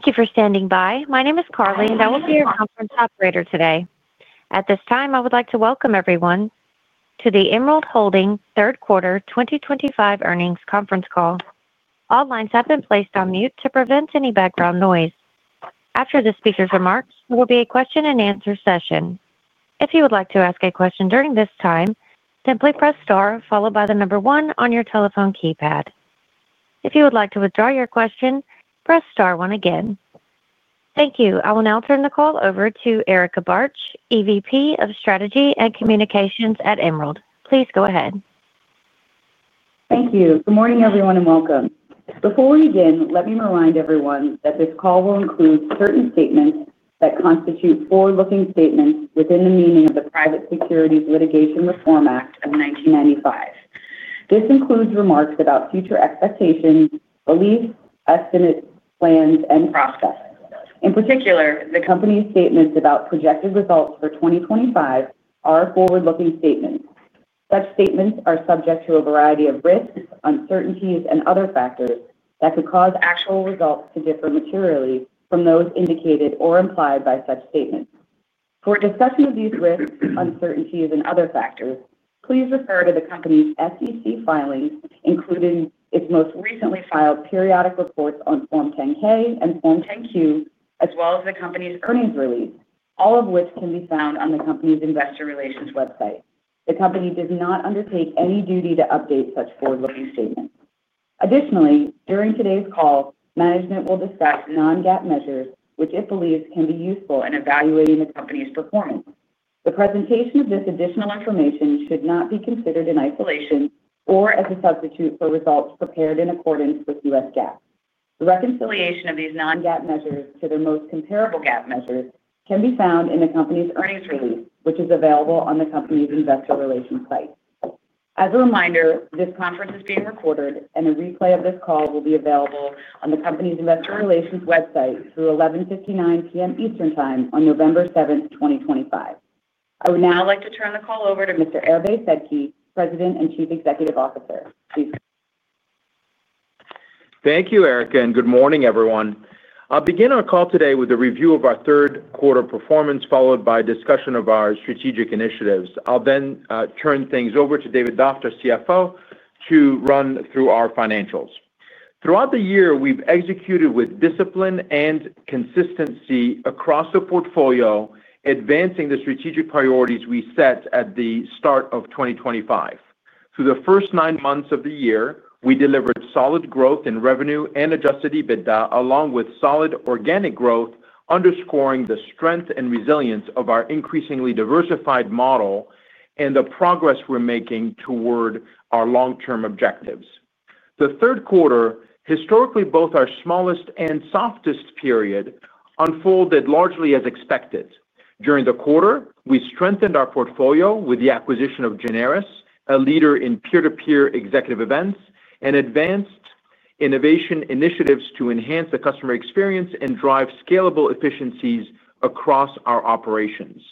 Thank you for standing by. My name is Carly, and I will be your conference operator today. At this time, I would like to welcome everyone to the Emerald Holdings third quarter 2025 earnings conference call. All lines have been placed on mute to prevent any background noise. After the speakers' remarks, there will be a question-and-answer session. If you would like to ask a question during this time, simply press star followed by the number one on your telephone keypad. If you would like to withdraw your question, press star one again. Thank you. I will now turn the call over to Erica Bartsch, EVP of Strategy and Communications at Emerald. Please go ahead. Thank you. Good morning, everyone, and welcome. Before we begin, let me remind everyone that this call will include certain statements that constitute forward-looking statements within the meaning of the Private Securities Litigation Reform Act of 1995. This includes remarks about future expectations, beliefs, estimates, plans, and process. In particular, the company's statements about projected results for 2025 are forward-looking statements. Such statements are subject to a variety of risks, uncertainties, and other factors that could cause actual results to differ materially from those indicated or implied by such statements. For a discussion of these risks, uncertainties, and other factors, please refer to the company's SEC filings, including its most recently filed periodic reports on Form 10-K and Form 10-Q, as well as the company's earnings release, all of which can be found on the company's investor relations website. The company does not undertake any duty to update such forward-looking statements. Additionally, during today's call, management will discuss non-GAAP measures, which it believes can be useful in evaluating the company's performance. The presentation of this additional information should not be considered in isolation or as a substitute for results prepared in accordance with U.S. GAAP. The reconciliation of these non-GAAP measures to their most comparable GAAP measures can be found in the company's earnings release, which is available on the company's investor relations site. As a reminder, this conference is being recorded, and a replay of this call will be available on the company's investor relations website through 11:59 P.M. Eastern Time on November 7th, 2025. I would now like to turn the call over to Hervé Sedky, President and Chief Executive Officer. Please. Thank you, Erica, and good morning, everyone. I'll begin our call today with a review of our third quarter performance followed by a discussion of our strategic initiatives. I'll then turn things over to David Doft, our CFO, to run through our financials. Throughout the year, we've executed with discipline and consistency across the portfolio, advancing the strategic priorities we set at the start of 2025. Through the first nine months of the year, we delivered solid growth in revenue and adjusted EBITDA, along with solid organic growth, underscoring the strength and resilience of our increasingly diversified model and the progress we're making toward our long-term objectives. The third quarter, historically both our smallest and softest period, unfolded largely as expected. During the quarter, we strengthened our portfolio with the acquisition of Generis, a leader in peer-to-peer executive events, and advanced innovation initiatives to enhance the customer experience and drive scalable efficiencies across our operations.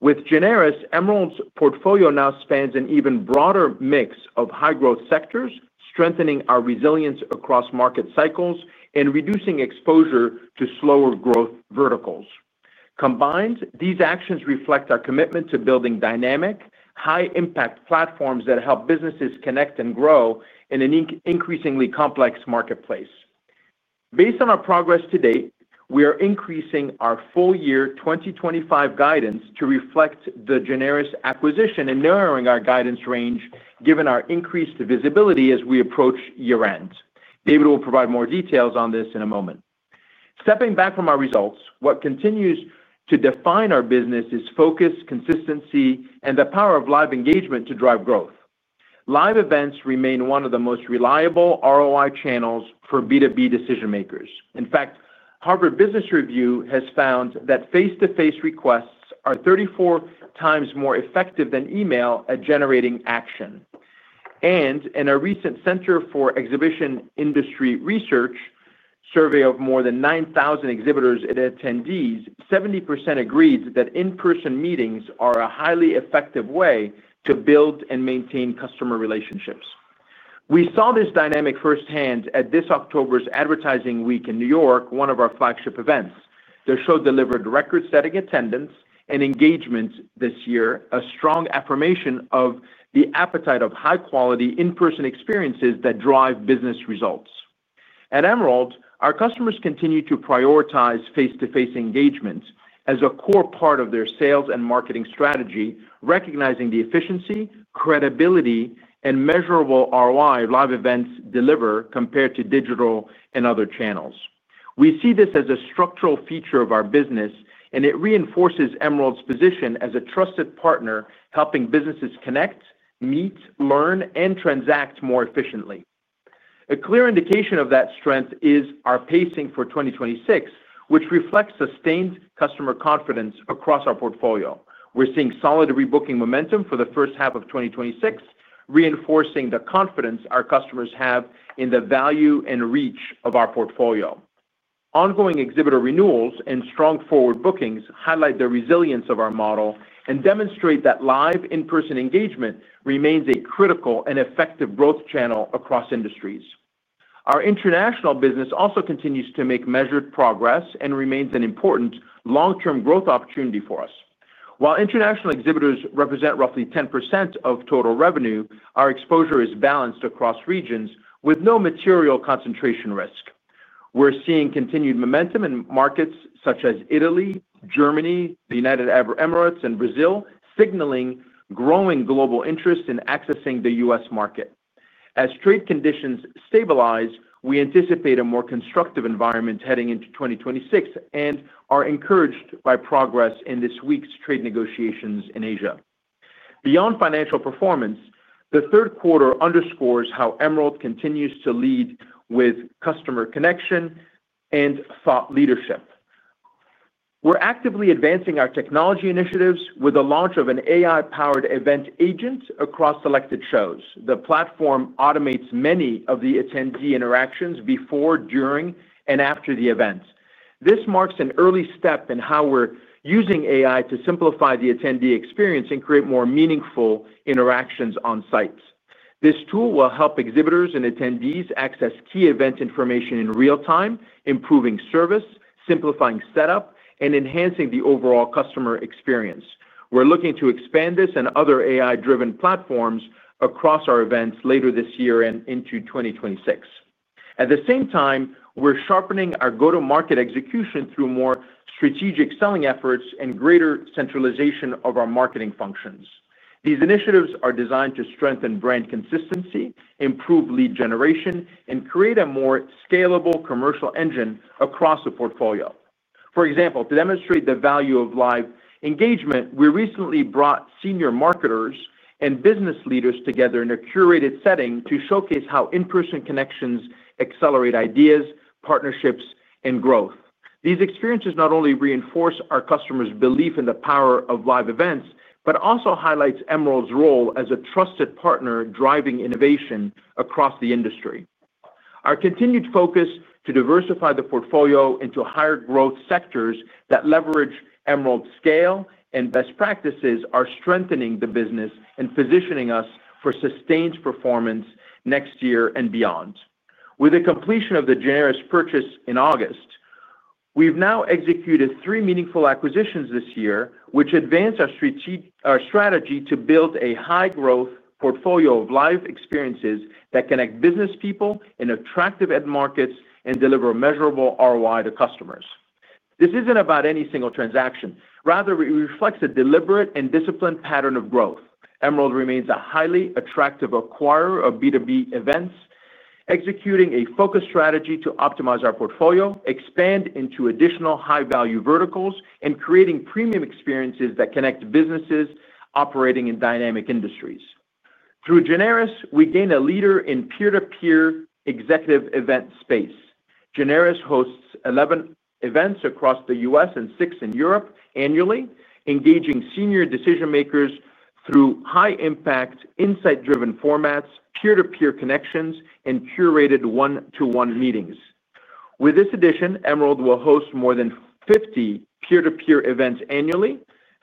With Generis, Emerald's portfolio now spans an even broader mix of high-growth sectors, strengthening our resilience across market cycles and reducing exposure to slower growth verticals. Combined, these actions reflect our commitment to building dynamic, high-impact platforms that help businesses connect and grow in an increasingly complex marketplace. Based on our progress to date, we are increasing our full-year 2025 guidance to reflect the Generis acquisition and narrowing our guidance range given our increased visibility as we approach year-end. David will provide more details on this in a moment. Stepping back from our results, what continues to define our business is focus, consistency, and the power of live engagement to drive growth. Live events remain one of the most reliable ROI channels for B2B decision-makers. In fact, Harvard Business Review has found that face-to-face requests are 34x more effective than email at generating action. In a recent Center for Exhibition Industry Research survey of more than 9,000 exhibitors and attendees, 70% agreed that in-person meetings are a highly effective way to build and maintain customer relationships. We saw this dynamic firsthand at this October's Advertising Week in New York, one of our flagship events. The show delivered record-setting attendance and engagement this year, a strong affirmation of the appetite for high-quality in-person experiences that drive business results. At Emerald, our customers continue to prioritize face-to-face engagement as a core part of their sales and marketing strategy, recognizing the efficiency, credibility, and measurable ROI live events deliver compared to digital and other channels. We see this as a structural feature of our business, and it reinforces Emerald's position as a trusted partner, helping businesses connect, meet, learn, and transact more efficiently. A clear indication of that strength is our pacing for 2026, which reflects sustained customer confidence across our portfolio. We're seeing solid rebooking momentum for the first half of 2026, reinforcing the confidence our customers have in the value and reach of our portfolio. Ongoing exhibitor renewals and strong forward bookings highlight the resilience of our model and demonstrate that live in-person engagement remains a critical and effective growth channel across industries. Our international business also continues to make measured progress and remains an important long-term growth opportunity for us. While international exhibitors represent roughly 10% of total revenue, our exposure is balanced across regions with no material concentration risk. We're seeing continued momentum in markets such as Italy, Germany, the United Arab Emirates, and Brazil, signaling growing global interest in accessing the U.S. market. As trade conditions stabilize, we anticipate a more constructive environment heading into 2026 and are encouraged by progress in this week's trade negotiations in Asia. Beyond financial performance, the third quarter underscores how Emerald continues to lead with customer connection and thought leadership. We're actively advancing our technology initiatives with the launch of an AI-powered event agent across selected shows. The platform automates many of the attendee interactions before, during, and after the event. This marks an early step in how we're using AI to simplify the attendee experience and create more meaningful interactions on sites. This tool will help exhibitors and attendees access key event information in real time, improving service, simplifying setup, and enhancing the overall customer experience. We're looking to expand this and other AI-driven platforms across our events later this year and into 2026. At the same time, we're sharpening our go-to-market execution through more strategic selling efforts and greater centralization of our marketing functions. These initiatives are designed to strengthen brand consistency, improve lead generation, and create a more scalable commercial engine across the portfolio. For example, to demonstrate the value of live engagement, we recently brought senior marketers and business leaders together in a curated setting to showcase how in-person connections accelerate ideas, partnerships, and growth. These experiences not only reinforce our customers' belief in the power of live events but also highlight Emerald's role as a trusted partner driving innovation across the industry. Our continued focus to diversify the portfolio into higher growth sectors that leverage Emerald's scale and best practices is strengthening the business and positioning us for sustained performance next year and beyond. With the completion of the Generis purchase in August, we've now executed three meaningful acquisitions this year, which advance our strategy to build a high-growth portfolio of live experiences that connect business people in attractive end markets and deliver measurable ROI to customers. This isn't about any single transaction. Rather, it reflects a deliberate and disciplined pattern of growth. Emerald remains a highly attractive acquirer of B2B events, executing a focused strategy to optimize our portfolio, expand into additional high-value verticals, and create premium experiences that connect businesses operating in dynamic industries. Through Generis, we gain a leader in peer-to-peer executive event space. Generis hosts 11 events across the U.S. and six in Europe annually, engaging senior decision-makers through high-impact, insight-driven formats, peer-to-peer connections, and curated one-to-one meetings. With this addition, Emerald will host more than 50 peer-to-peer events annually,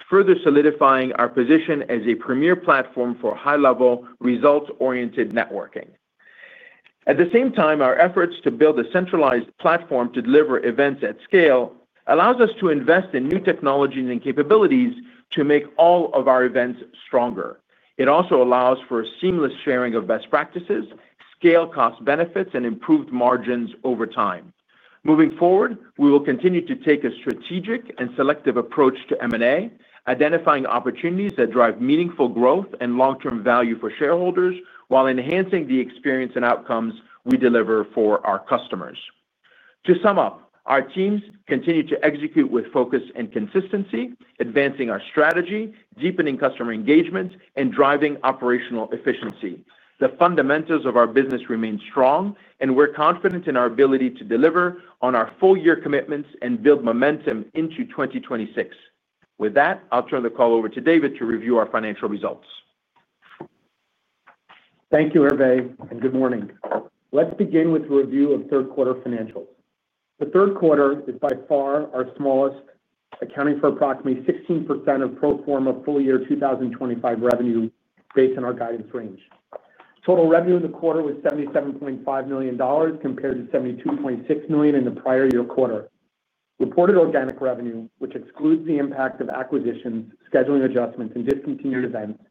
further solidifying our position as a premier platform for high-level results-oriented networking. At the same time, our efforts to build a centralized platform to deliver events at scale allow us to invest in new technologies and capabilities to make all of our events stronger. It also allows for seamless sharing of best practices, scale cost benefits, and improved margins over time. Moving forward, we will continue to take a strategic and selective approach to M&A, identifying opportunities that drive meaningful growth and long-term value for shareholders while enhancing the experience and outcomes we deliver for our customers. To sum up, our teams continue to execute with focus and consistency, advancing our strategy, deepening customer engagement, and driving operational efficiency. The fundamentals of our business remain strong, and we're confident in our ability to deliver on our full-year commitments and build momentum into 2026. With that, I'll turn the call over to David to review our financial results. Thank you, Hervé, and good morning. Let's begin with a review of third-quarter financials. The third quarter is by far our smallest, accounting for approximately 16% of pro forma full-year 2025 revenue based on our guidance range. Total revenue in the quarter was $77.5 million compared to $72.6 million in the prior year quarter. Reported organic revenue, which excludes the impact of acquisitions, scheduling adjustments, and discontinued events,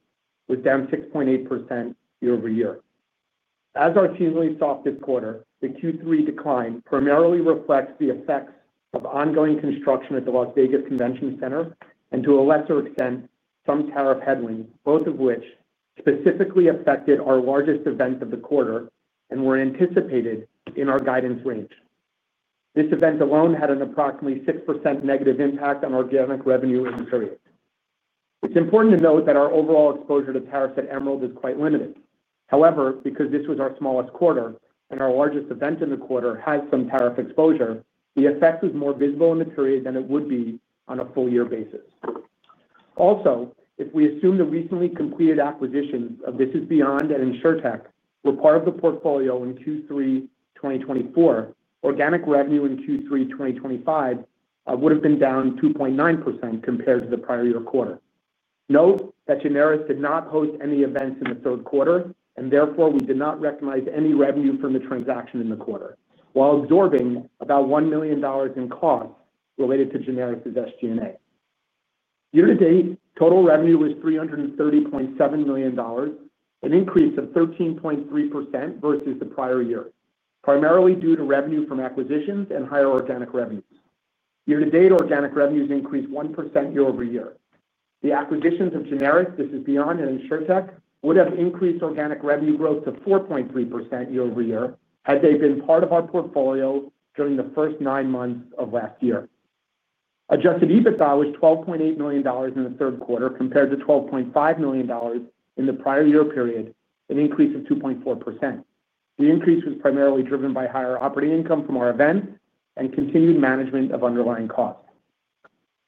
was down 6.8% year-over-year. As our seasonally soft this quarter, the Q3 decline primarily reflects the effects of ongoing construction at the Las Vegas Convention Center and, to a lesser extent, some tariff headwinds, both of which specifically affected our largest event of the quarter and were anticipated in our guidance range. This event alone had an approximately 6% negative impact on organic revenue in the period. It's important to note that our overall exposure to tariffs at Emerald is quite limited. However, because this was our smallest quarter and our largest event in the quarter had some tariff exposure, the effect was more visible in the period than it would be on a full-year basis. Also, if we assume the recently completed acquisition of This is Beyond and InsurTech were part of the portfolio in Q3 2024, organic revenue in Q3 2025 would have been down 2.9% compared to the prior year quarter. Note that Generis did not host any events in the third quarter, and therefore we did not recognize any revenue from the transaction in the quarter, while absorbing about $1 million in costs related to Generis' SG&A. Year-to-date, total revenue was $330.7 million, an increase of 13.3% versus the prior year, primarily due to revenue from acquisitions and higher organic revenues. Year-to-date, organic revenues increased 1% year-over-year. The acquisitions of Generis, This Is Beyond, and InsurTech would have increased organic revenue growth to 4.3% year-over-year had they been part of our portfolio during the first nine months of last year. Adjusted EBITDA was $12.8 million in the third quarter compared to $12.5 million in the prior year period, an increase of 2.4%. The increase was primarily driven by higher operating income from our events and continued management of underlying costs.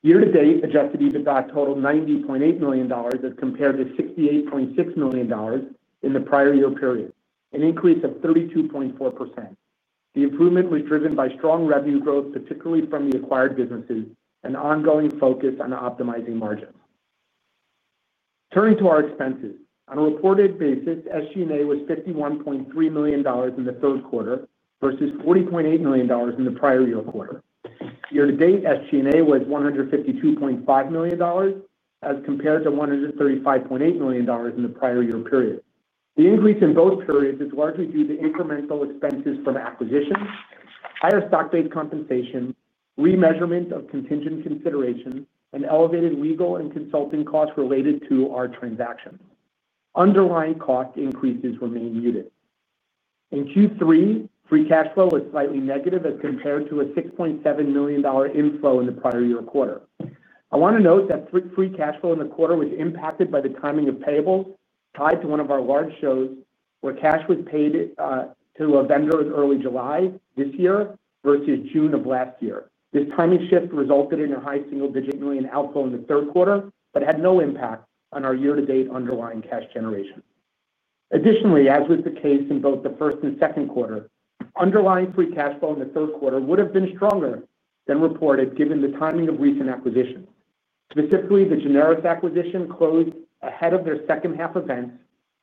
Year-to-date, adjusted EBITDA totaled $90.8 million as compared to $68.6 million in the prior year period, an increase of 32.4%. The improvement was driven by strong revenue growth, particularly from the acquired businesses and ongoing focus on optimizing margins. Turning to our expenses, on a reported basis, SG&A was $51.3 million in the third quarter versus $40.8 million in the prior year quarter. Year-to-date, SG&A was $152.5 million as compared to $135.8 million in the prior year period. The increase in both periods is largely due to incremental expenses from acquisitions, higher stock-based compensation, remeasurement of contingent consideration, and elevated legal and consulting costs related to our transactions. Underlying cost increases remain muted. In Q3, free cash flow was slightly negative as compared to a $6.7 million inflow in the prior year quarter. I want to note that free cash flow in the quarter was impacted by the timing of payables tied to one of our large shows where cash was paid to a vendor in early July this year versus June of last year. This timing shift resulted in a high single-digit million outflow in the third quarter but had no impact on our year-to-date underlying cash generation. Additionally, as was the case in both the first and second quarter, underlying free cash flow in the third quarter would have been stronger than reported given the timing of recent acquisitions. Specifically, the Generis acquisition closed ahead of their second-half events,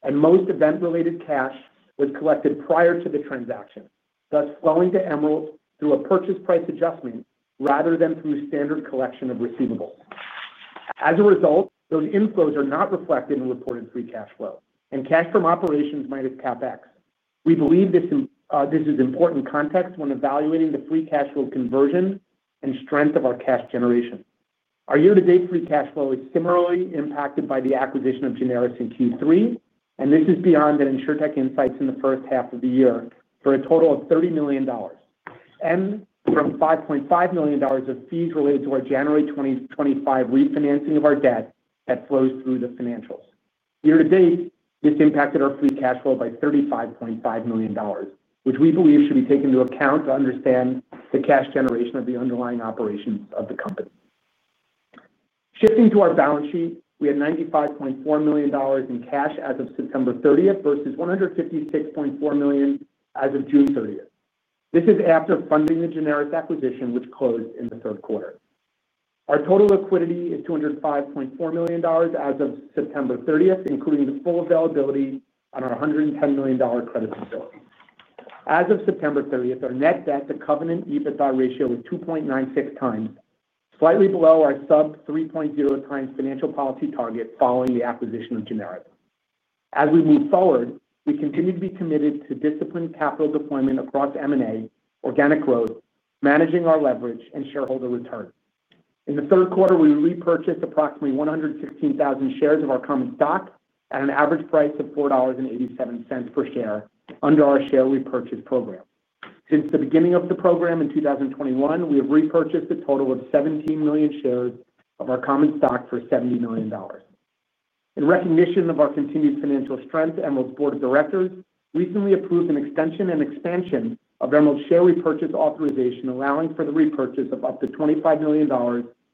and most event-related cash was collected prior to the transaction, thus flowing to Emerald through a purchase price adjustment rather than through standard collection of receivables. As a result, those inflows are not reflected in reported free cash flow, and cash from operations might have CapEx. We believe this is important context when evaluating the free cash flow conversion and strength of our cash generation. Our year-to-date free cash flow is similarly impacted by the acquisition of Generis in Q3, and This Is Beyond and InsurTech Insights in the first half of the year for a total of $30 million, and from $5.5 million of fees related to our January 2025 refinancing of our debt that flows through the financials. Year-to-date, this impacted our free cash flow by $35.5 million, which we believe should be taken into account to understand the cash generation of the underlying operations of the company. Shifting to our balance sheet, we had $95.4 million in cash as of September 30th versus $156.4 million as of June 30th. This is after funding the Generis acquisition, which closed in the third quarter. Our total liquidity is $205.4 million as of September 30th, including the full availability on our $110 million credit facility. As of September 30th, our net debt-to-covenant EBITDA ratio was 2.96x, slightly below our sub-3.0x financial policy target following the acquisition of Generis. As we move forward, we continue to be committed to disciplined capital deployment across M&A, organic growth, managing our leverage, and shareholder return. In the third quarter, we repurchased approximately 116,000 shares of our common stock at an average price of $4.87 per share under our share repurchase program. Since the beginning of the program in 2021, we have repurchased a total of 17 million shares of our common stock for $70 million. In recognition of our continued financial strength, Emerald's Board of Directors recently approved an extension and expansion of Emerald's share repurchase authorization, allowing for the repurchase of up to $25 million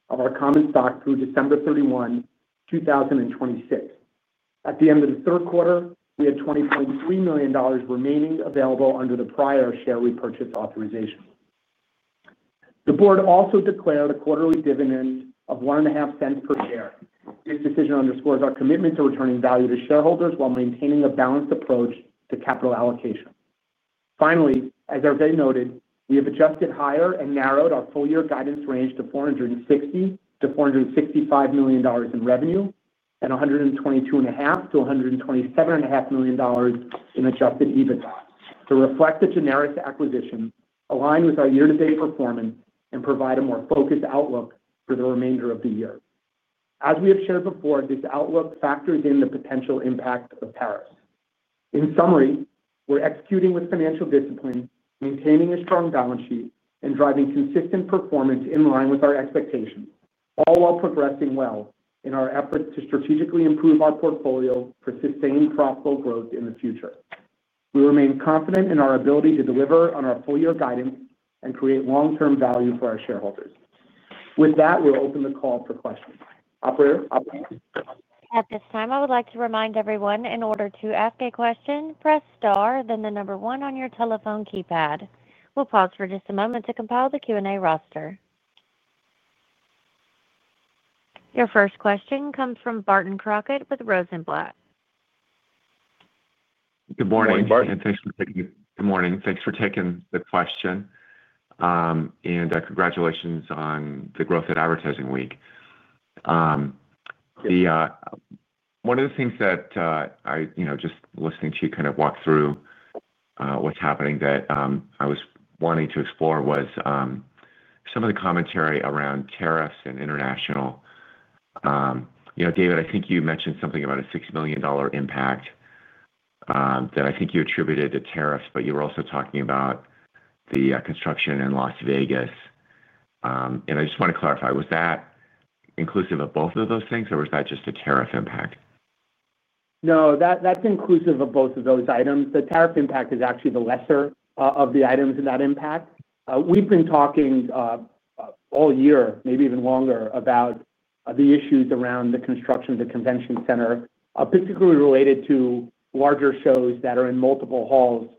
of our common stock through December 31, 2026. At the end of the third quarter, we had $20.3 million remaining available under the prior share repurchase authorization. The Board also declared a quarterly dividend of $0.015 per share. This decision underscores our commitment to returning value to shareholders while maintaining a balanced approach to capital allocation. Finally, as Hervé noted, we have adjusted higher and narrowed our full-year guidance range to $460 million-$465 million in revenue and $122.5 million-$127.5 million in adjusted EBITDA to reflect the Generis acquisition, align with our year-to-date performance, and provide a more focused outlook for the remainder of the year. As we have shared before, this outlook factors in the potential impact of tariff headwinds. In summary, we're executing with financial discipline, maintaining a strong balance sheet, and driving consistent performance in line with our expectations, all while progressing well in our efforts to strategically improve our portfolio for sustained profitable growth in the future. We remain confident in our ability to deliver on our full-year guidance and create long-term value for our shareholders. With that, we'll open the call for questions. Operator. At this time, I would like to remind everyone, in order to ask a question, press star, then the number one on your telephone keypad. We'll pause for just a moment to compile the Q&A roster. Your first question comes from Barton Crockett with Rosenblatt. Good morning, Barton. Thanks for taking the question, and congratulations on the growth at Advertising Week. One of the things that I was just listening to you kind of walk through, what's happening that I was wanting to explore, was some of the commentary around tariffs and international. David, I think you mentioned something about a $6 million impact that I think you attributed to tariffs, but you were also talking about the construction in Las Vegas. I just want to clarify, was that inclusive of both of those things, or was that just a tariff impact? No, that's inclusive of both of those items. The tariff impact is actually the lesser of the items in that impact. We've been talking all year, maybe even longer, about the issues around the construction of the convention center, particularly related to larger shows that are in multiple halls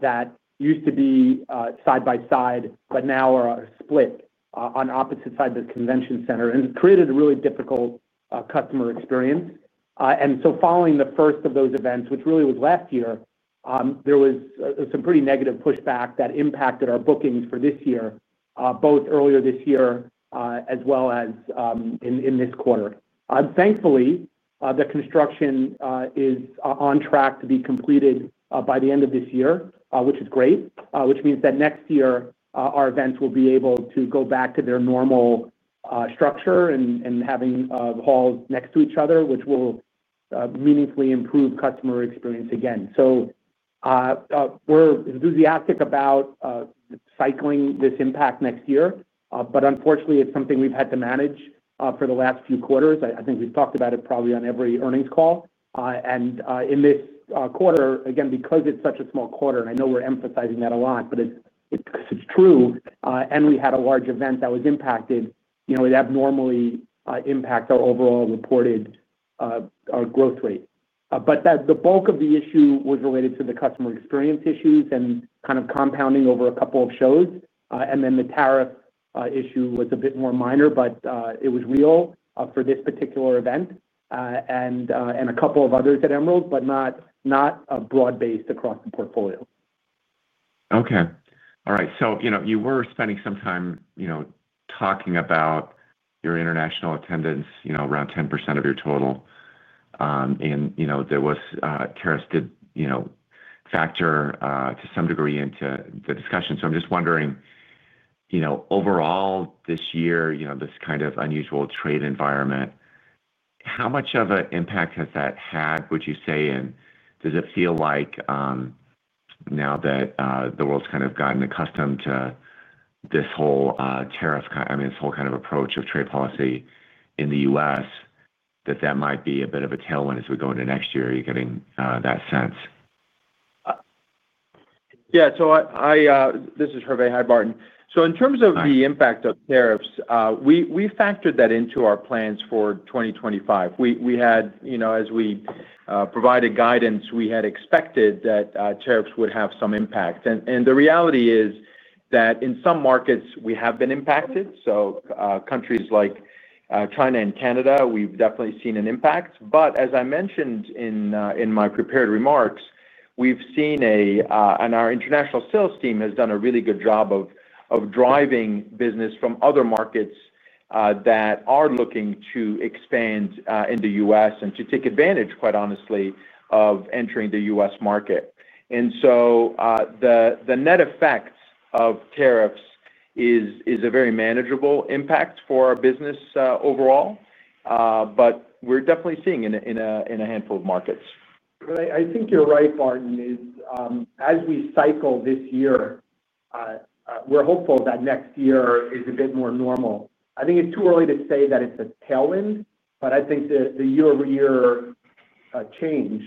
that used to be side by side but now are split on opposite sides of the convention center and created a really difficult customer experience. Following the first of those events, which really was last year, there was some pretty negative pushback that impacted our bookings for this year, both earlier this year as well as in this quarter. Thankfully, the construction is on track to be completed by the end of this year, which is great, which means that next year our events will be able to go back to their normal structure and having halls next to each other, which will meaningfully improve customer experience again. We're enthusiastic about cycling this impact next year, but unfortunately, it's something we've had to manage for the last few quarters. I think we've talked about it probably on every earnings call. In this quarter, again, because it's such a small quarter, and I know we're emphasizing that a lot, but it's true, and we had a large event that was impacted, it abnormally impacts our overall reported growth rate. The bulk of the issue was related to the customer experience issues and kind of compounding over a couple of shows. The tariff issue was a bit more minor, but it was real for this particular event and a couple of others at Emerald, but not broad-based across the portfolio. Okay. All right. You were spending some time talking about your international attendance, around 10% of your total, and there was—tariffs did factor to some degree into the discussion. I'm just wondering, overall this year, this kind of unusual trade environment, how much of an impact has that had, would you say? Does it feel like now that the world's kind of gotten accustomed to this whole tariff—I mean, this whole kind of approach of trade policy in the U.S., that that might be a bit of a tailwind as we go into next year? Are you getting that sense? Yeah. This is Hervé. Hi, Barton. In terms of the impact of tariffs, we factored that into our plans for 2025. As we provided guidance, we had expected that tariffs would have some impact. The reality is that in some markets, we have been impacted. Countries like China and Canada, we've definitely seen an impact. As I mentioned in my prepared remarks, we've seen our international sales team has done a really good job of driving business from other markets that are looking to expand in the U.S. and to take advantage, quite honestly, of entering the U.S. market. The net effect of tariffs is a very manageable impact for our business overall. We're definitely seeing it in a handful of markets. I think you're right, Barton, as we cycle this year, we're hopeful that next year is a bit more normal. I think it's too early to say that it's a tailwind, but I think the year-over-year change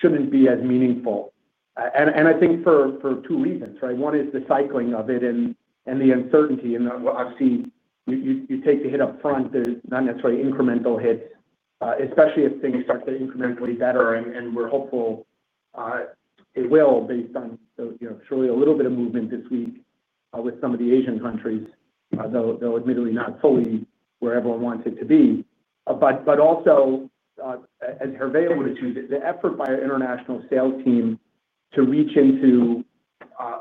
shouldn't be as meaningful. I think for two reasons, right? One is the cycling of it and the uncertainty. I've seen you take the hit up front. There's not necessarily incremental hits, especially if things start to incrementally get better. We're hopeful it will, based on surely a little bit of movement this week with some of the Asian countries, though admittedly not fully where everyone wants it to be. Also, as Hervé alluded to, the effort by our international sales team to reach into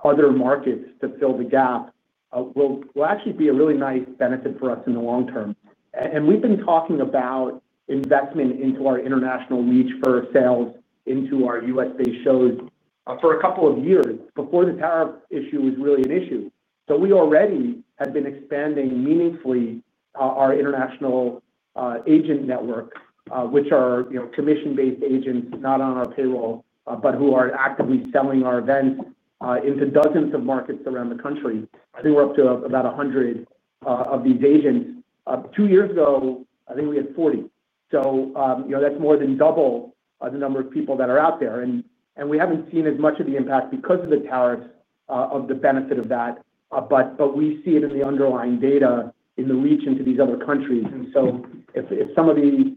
other markets to fill the gap will actually be a really nice benefit for us in the long term. We've been talking about investment into our international reach for sales into our U.S.-based shows for a couple of years before the tariff issue was really an issue. We already had been expanding meaningfully our international agent network, which are commission-based agents, not on our payroll, but who are actively selling our events into dozens of markets around the country. I think we're up to about 100 of these agents. Two years ago, I think we had 40. That's more than double the number of people that are out there. We haven't seen as much of the impact because of the tariffs of the benefit of that, but we see it in the underlying data in the reach into these other countries. If some of the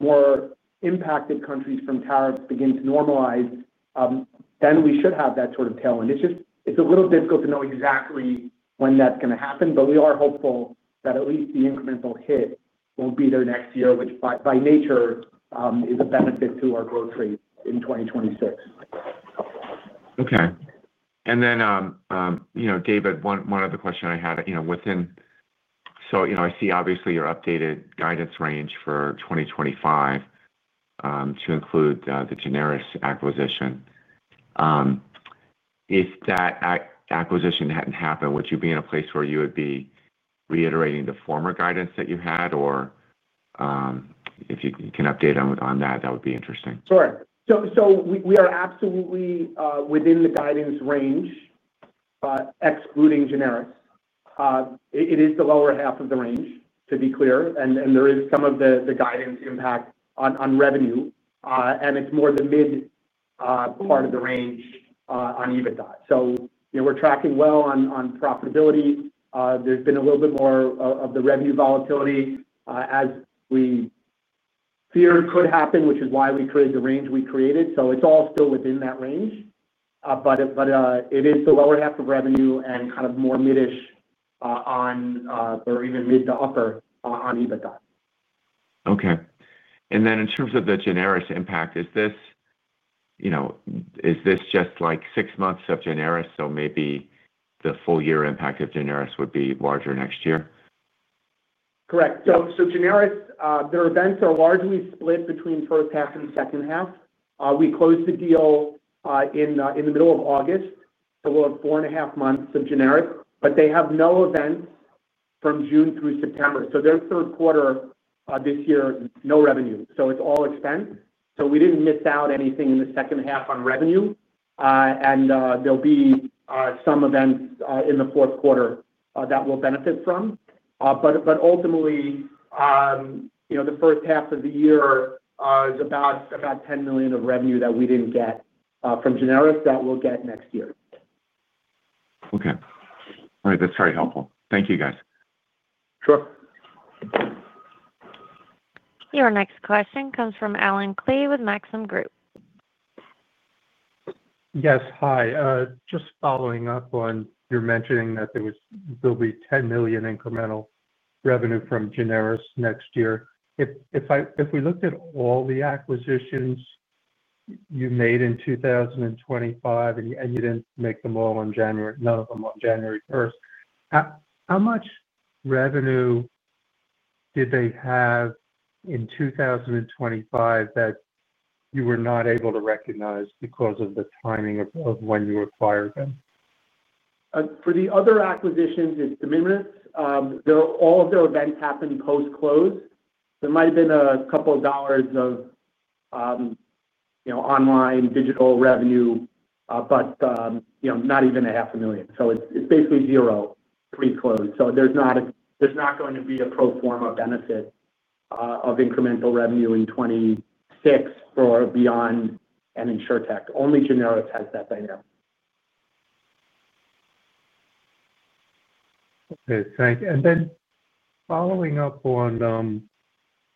more impacted countries from tariffs begin to normalize, then we should have that sort of tailwind. It's a little difficult to know exactly when that's going to happen, but we are hopeful that at least the incremental hit will be there next year, which by nature is a benefit to our growth rate in 2026. Okay. David, one other question I had. I see obviously your updated guidance range for 2025 to include the Generis acquisition. If that acquisition hadn't happened, would you be in a place where you would be reiterating the former guidance that you had? If you can update on that, that would be interesting. Sure. We are absolutely within the guidance range. Excluding Generis, it is the lower half of the range, to be clear. There is some of the guidance impact on revenue, and it's more the mid part of the range on EBITDA. We're tracking well on profitability. There's been a little bit more of the revenue volatility as we feared could happen, which is why we created the range we created. It's all still within that range, but it is the lower half of revenue and kind of more mid-ish, or even mid to upper, on EBITDA. Okay. In terms of the Generis impact, is this just like six months of Generis? Maybe the full-year impact of Generis would be larger next year? Correct. Generis, their events are largely split between first half and second half. We closed the deal in the middle of August. We'll have four and a half months of Generis, but they have no events from June through September. Their third quarter this year, no revenue, so it's all expense. We didn't miss out anything in the second half on revenue. There'll be some events in the fourth quarter that we'll benefit from. Ultimately, the first half of the year is about $10 million of revenue that we didn't get from Generis that we'll get next year. Okay. All right. That's very helpful. Thank you, guys. Sure. Your next question comes from Allen Klee with Maxim Group. Yes. Hi. Just following up on your mentioning that there will be $10 million incremental revenue from Generis next year. If we looked at all the acquisitions you made in 2025 and you didn't make them all on January, none of them on January 1st, how much revenue did they have in 2025 that you were not able to recognize because of the timing of when you acquired them? For the other acquisitions, it's diminished. All of their events happened post-close. There might have been a couple of dollars of online digital revenue, but not even $0.5 million. It's basically zero pre-close. There's not going to be a pro forma benefit of incremental revenue in 2026 for This Is Beyond and InsurTech. Only Generis has that dynamic. Okay. Thanks. Following up on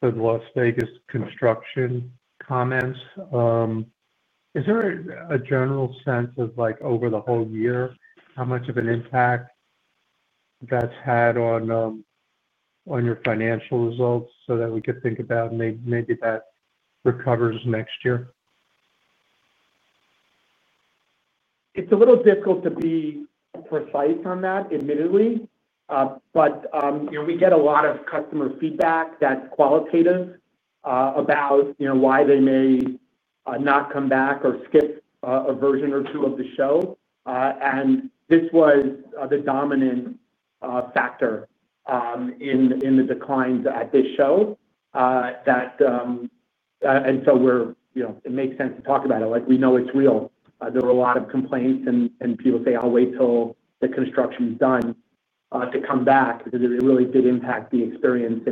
the Las Vegas construction comments, is there a general sense over the whole year how much of an impact that's had on your financial results so that we could think about maybe that recovers next year? It's a little difficult to be precise on that, admittedly. We get a lot of customer feedback that's qualitative about why they may not come back or skip a version or two of the show, and this was the dominant factor in the declines at this show. It makes sense to talk about it. We know it's real. There were a lot of complaints, and people say, "I'll wait till the construction is done to come back." It really did impact the experience,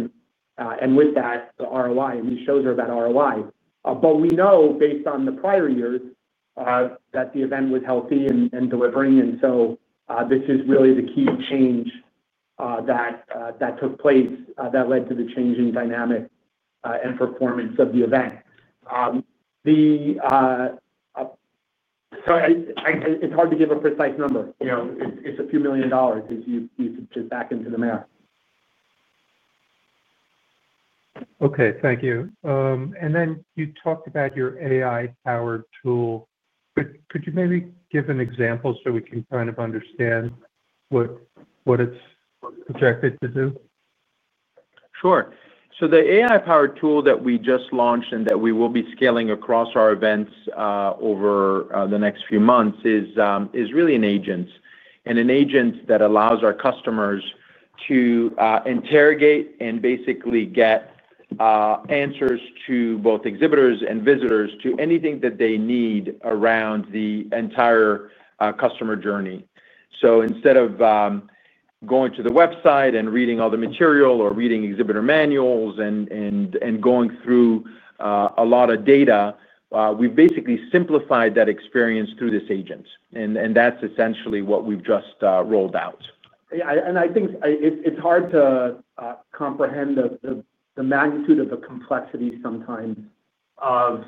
and with that, the ROI. These shows are about ROI. We know, based on the prior years, that the event was healthy and delivering. This is really the key change that took place that led to the change in dynamic and performance of the event. It's hard to give a precise number. It's a few million dollars as you could just back into the math. Okay. Thank you. You talked about your AI-powered event agent. Could you maybe give an example so we can kind of understand what it's projected to do? The AI-powered tool that we just launched and that we will be scaling across our events over the next few months is really an agent, an agent that allows our customers to interrogate and basically get answers, both exhibitors and visitors, to anything that they need around the entire customer journey. Instead of going to the website and reading all the material or reading exhibitor manuals and going through a lot of data, we've basically simplified that experience through this agent. That's essentially what we've just rolled out. I think it's hard to comprehend the magnitude of the complexity sometimes of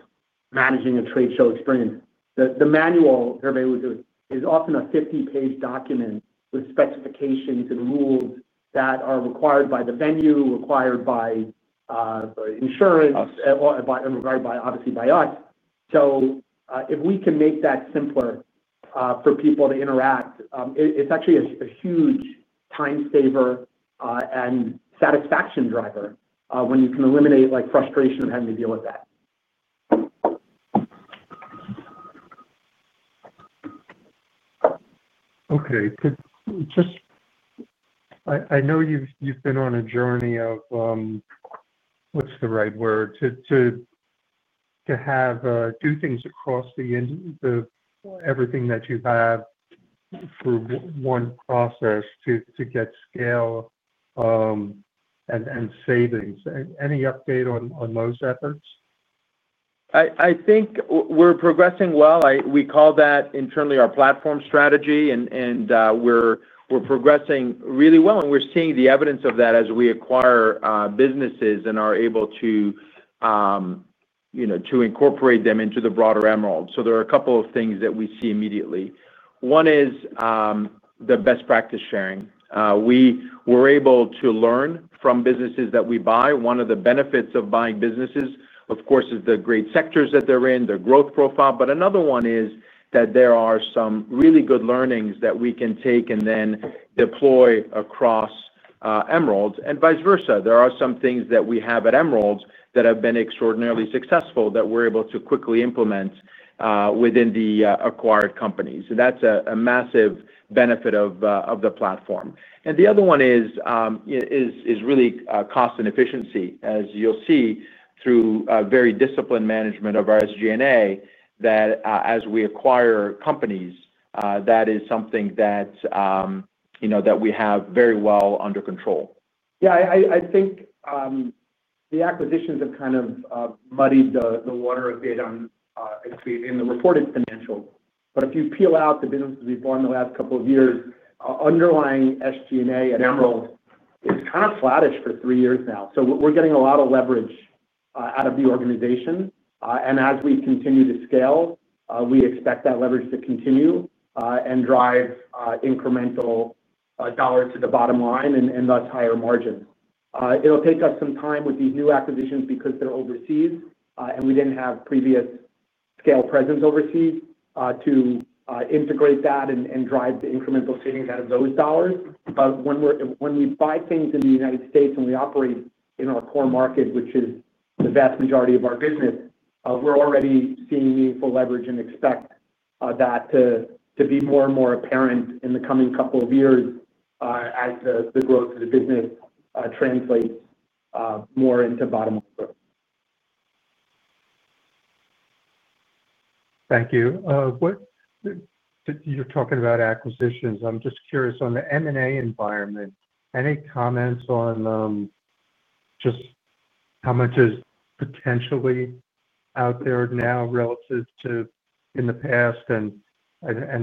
managing a trade show experience. The manual, Hervé would do, is often a 50-page document with specifications and rules that are required by the venue, required by insurance, and required by, obviously, by us. If we can make that simpler for people to interact, it's actually a huge time saver and satisfaction driver when you can eliminate frustration of having to deal with that. Okay. I know you've been on a journey of, what's the right word, to do things across everything that you have for one process to get scale and savings. Any update on those efforts? I think we're progressing well. We call that internally our platform strategy. We're progressing really well, and we're seeing the evidence of that as we acquire businesses and are able to incorporate them into the broader Emerald. There are a couple of things that we see immediately. One is the best practice sharing. We were able to learn from businesses that we buy. One of the benefits of buying businesses, of course, is the great sectors that they're in, their growth profile. Another one is that there are some really good learnings that we can take and then deploy across Emerald and vice versa. There are some things that we have at Emerald that have been extraordinarily successful that we're able to quickly implement within the acquired companies. That's a massive benefit of the platform. The other one is really cost and efficiency, as you'll see through very disciplined management of our SG&A, that as we acquire companies, that is something that we have very well under control. I think the acquisitions have kind of muddied the water a bit in the reported financials. If you peel out the businesses we've bought in the last couple of years, underlying SG&A at Emerald is kind of flattish for three years now. We're getting a lot of leverage out of the organization. As we continue to scale, we expect that leverage to continue and drive incremental dollars to the bottom line and thus higher margins. It'll take us some time with these new acquisitions because they're overseas. We didn't have previous scale presence overseas to integrate that and drive the incremental savings out of those dollars. When we buy things in the United States and we operate in our core market, which is the vast majority of our business, we're already seeing meaningful leverage and expect that to be more and more apparent in the coming couple of years as the growth of the business translates more into bottom line growth. Thank you. You're talking about acquisitions. I'm just curious, on the M&A environment, any comments on just how much is potentially out there now relative to in the past and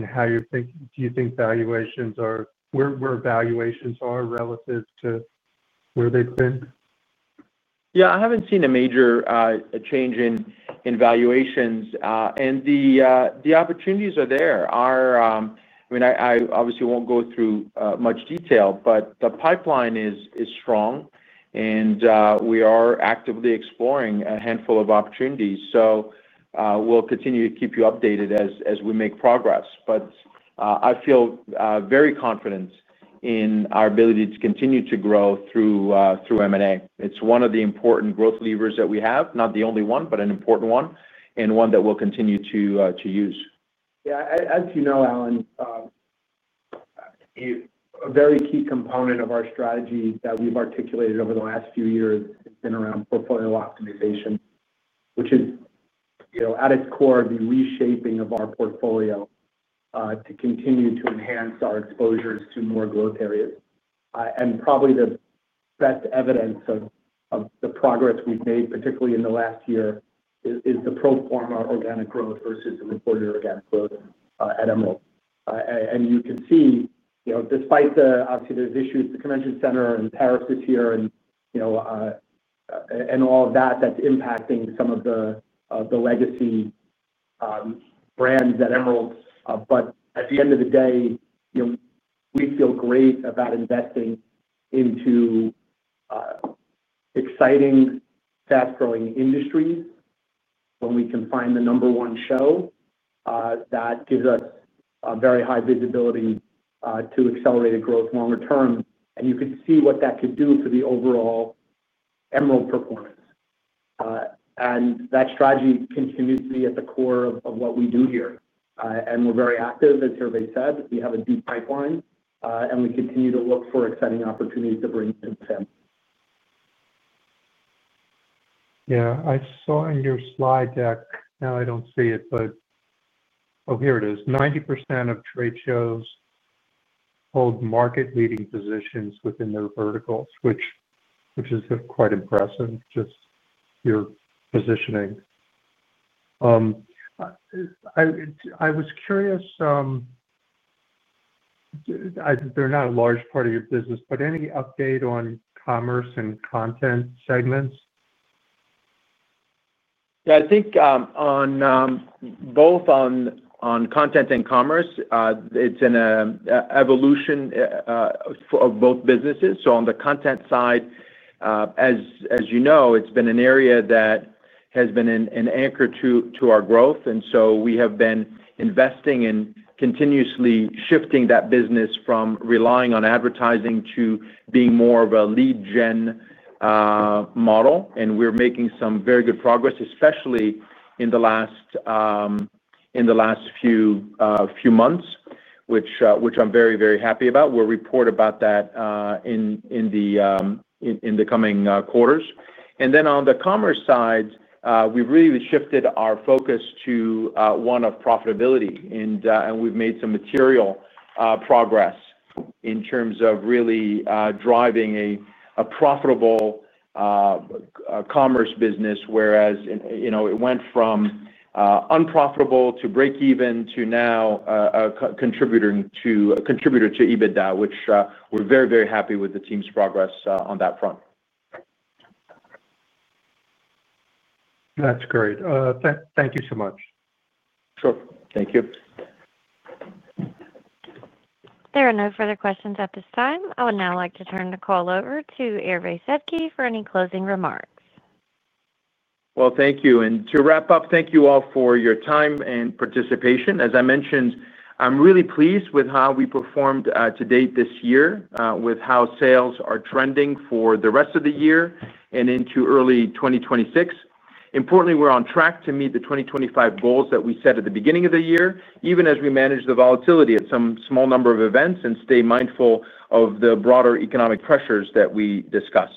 how you're thinking? Do you think valuations are where valuations are relative to where they've been? I haven't seen a major change in valuations. The opportunities are there. I obviously won't go through much detail, but the pipeline is strong. We are actively exploring a handful of opportunities. We'll continue to keep you updated as we make progress. I feel very confident in our ability to continue to grow through M&A. It's one of the important growth levers that we have, not the only one, but an important one and one that we'll continue to use. Yeah. As you know, Allen, a very key component of our strategy that we've articulated over the last few years has been around portfolio optimization, which is, at its core, the reshaping of our portfolio to continue to enhance our exposures to more growth areas. Probably the best evidence of the progress we've made, particularly in the last year, is the pro forma organic growth versus the reported organic growth at Emerald. You can see, despite the, obviously, there's issues with the convention center and tariffs this year, and all of that that's impacting some of the legacy brands at Emerald. At the end of the day, we feel great about investing into exciting, fast-growing industries when we can find the number one show that gives us very high visibility to accelerate growth longer term. You can see what that could do for the overall Emerald performance. That strategy continues to be at the core of what we do here. We're very active, as Hervé said. We have a deep pipeline, and we continue to look for exciting opportunities to bring to the family. Yeah. I saw in your slide deck, now I don't see it, but oh, here it is. 90% of trade shows hold market-leading positions within their verticals, which is quite impressive, just your positioning. I was curious, they're not a large part of your business, but any update on commerce and content segments? Yeah. I think both on content and commerce, it's an evolution of both businesses. On the content side, as you know, it's been an area that has been an anchor to our growth. We have been investing in continuously shifting that business from relying on advertising to being more of a lead gen model. We're making some very good progress, especially in the last few months, which I'm very, very happy about. We'll report about that in the coming quarters. On the commerce side, we've really shifted our focus to one of profitability. We've made some material progress in terms of really driving a profitable commerce business, whereas it went from unprofitable to break-even to now a contributor to EBITDA, which we're very, very happy with the team's progress on that front. That's great. Thank you so much. Sure, thank you. There are no further questions at this time. I would now like to turn the call over to Hervé Sedky for any closing remarks. Thank you all for your time and participation. As I mentioned, I'm really pleased with how we performed to date this year with how sales are trending for the rest of the year and into early 2026. Importantly, we're on track to meet the 2025 goals that we set at the beginning of the year, even as we manage the volatility at some small number of events and stay mindful of the broader economic pressures that we discussed.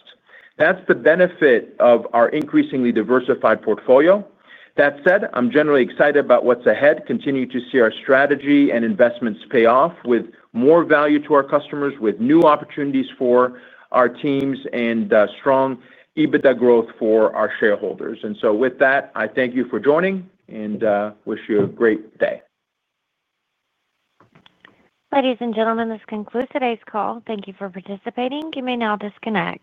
That's the benefit of our increasingly diversified portfolio. That said, I'm generally excited about what's ahead, continuing to see our strategy and investments pay off with more value to our customers, with new opportunities for our teams, and strong EBITDA growth for our shareholders. With that, I thank you for joining and wish you a great day. Ladies and gentlemen, this concludes today's call. Thank you for participating. You may now disconnect.